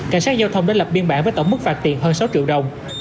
cảnh sát giao thông đã lập biên bản với tổng mức phạt tiền hơn sáu triệu đồng